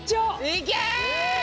いけ！